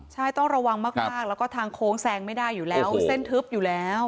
ใช่ต้องระวังมากแล้วก็ทางโค้งแซงไม่ได้อยู่แล้วเส้นทึบอยู่แล้ว